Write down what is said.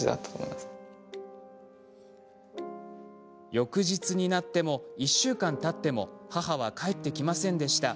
翌日になっても１週間たっても母は帰ってきませんでした。